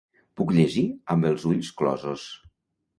Puc llegir amb els ulls closos!